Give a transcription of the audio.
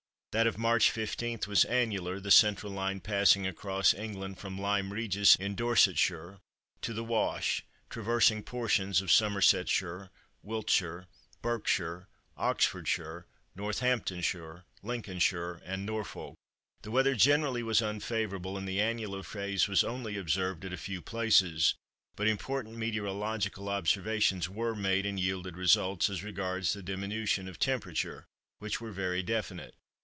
That of March 15 was annular, the central line passing across England from Lyme Regis in Dorsetshire to the Wash, traversing portions of Somersetshire, Wiltshire, Berkshire, Oxfordshire, Northamptonshire, Lincolnshire, and Norfolk. The weather generally was unfavourable and the annular phase was only observed at a few places, but important meteorological observations were made and yielded results, as regards the diminution of temperature, which were very definite.